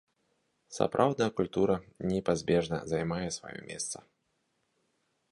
Сапраўдная культура непазбежна займае сваё месца.